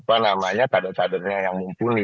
apa namanya kader kadernya yang mumpuni